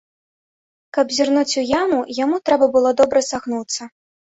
Каб зірнуць у яму, яму трэба было добра сагнуцца.